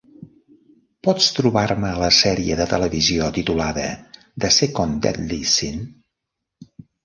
Pots trobar-me la sèrie de televisió titulada The Second Deadly Sin?